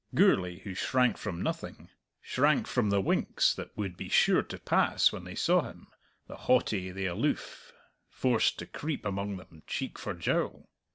Gourlay, who shrank from nothing, shrank from the winks that would be sure to pass when they saw him, the haughty, the aloof, forced to creep among them cheek for jowl.